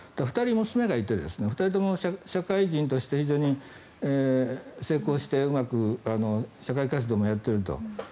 ２人娘がいて２人とも社会人として非常に成功してうまく社会活動もやっていると。